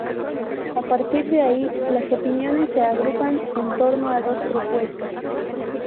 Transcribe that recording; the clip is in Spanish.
A partir de ahí, las opiniones se agrupan en torno a dos propuestas.